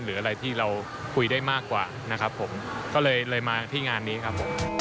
หรืออะไรที่เราคุยได้มากกว่านะครับผมก็เลยเลยมาที่งานนี้ครับผม